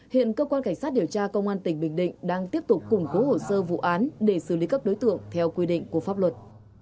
hiện cơ quan cảnh sát điều tra công an tỉnh bình định đang tiếp tục củng cố hồ sơ vụ án để xử lý các đối tượng theo quy định của pháp luật